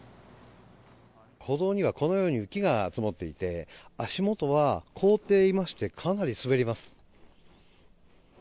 歩道にはこのように雪が積もっていて足元は凍っていましてかなり滑ります。